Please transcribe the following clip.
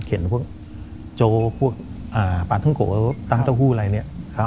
เขียนพวกโจพวกอ่าปาทุ้งโกตั้งเต้าหู้อะไรเนี้ยครับ